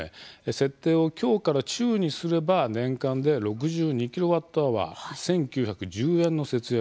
設定を強から中にすれば年間で６２ｋＷｈ１，９１０円の節約に。